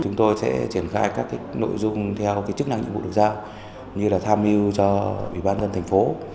chúng tôi sẽ triển khai các nội dung theo chức năng nhiệm vụ được giao như là tham mưu cho ủy ban dân thành phố